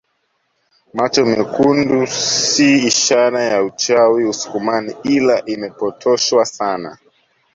Macho mekundi si ishara ya uchawi usukumani ila imepotoshwa sana